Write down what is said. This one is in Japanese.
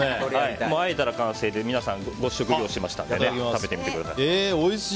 あえたら完成で皆さんご試食を用意しましたので食べてください。